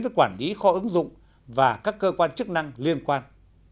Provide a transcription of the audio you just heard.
với quản lý kho ứng dụng và các cơ quan chức năng liên quan